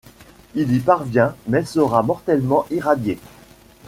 Il y parvient mais sera mortellement irradié.